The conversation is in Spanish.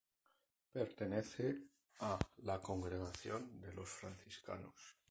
Pertenece a la congregación de los franciscanos.